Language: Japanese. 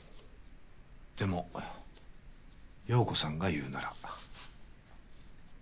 でも陽子さんが言うなら。